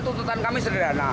tuntutan kami sederhana